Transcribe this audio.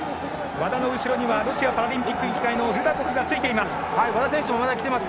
和田の後ろにはロシアパラリンピック委員会のルダコフがついています。